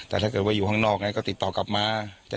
แต่ถ้าเกิดว่าอยู่ข้างนอกไงก็ติดต่อกลับมา